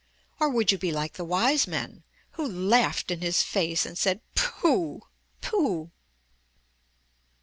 Or would you be like the wise men who Laughed in his face and said, *Tooh, pooh?'